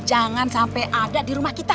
jangan sampai ada di rumah kita